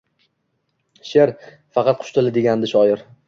She’r — faqat qush tili, degandi shoir